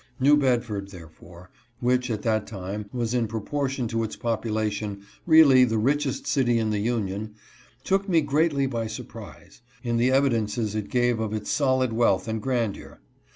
New Bedford, therefore, which at that time was in proportion to its population, really the richest city in the Union, took me greatly by surprise, in the evi dences it gave of its solid wealth and grandeur.